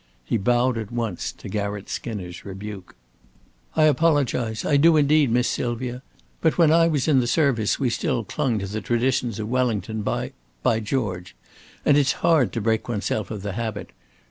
He bowed at once to Garratt Skinner's rebuke. "I apologize. I do indeed, Miss Sylvia! But when I was in the service we still clung to the traditions of Wellington by by George. And it's hard to break oneself of the habit.